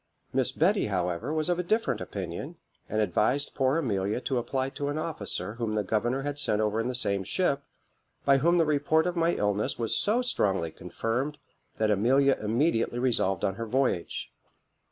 Miss Betty, however, was of a different opinion, and advised poor Amelia to apply to an officer whom the governor had sent over in the same ship, by whom the report of my illness was so strongly confirmed, that Amelia immediately resolved on her voyage.